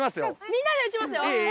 みんなで撃ちますよ